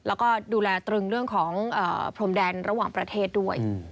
แล้วก็ดูแลตรึงเรื่องของพรมแดนระหว่างประเทศด้วย